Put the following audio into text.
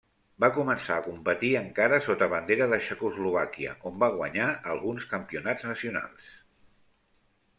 Va començar a competir encara sota bandera de Txecoslovàquia on va guanyar alguns campionats nacionals.